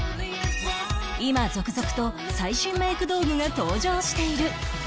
今続々と最新メイク道具が登場している